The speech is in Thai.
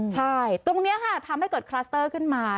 ใช่ตรงนี้ค่ะทำให้เกิดคลัสเตอร์ขึ้นมา